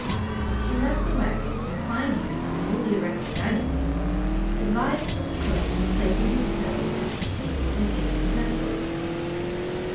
She left the wagon, and climbing on the newly erected dining table, advised with the cook in placing his stove, table, and kitchen utensils.